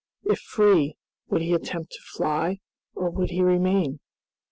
If free, would he attempt to fly, or would he remain?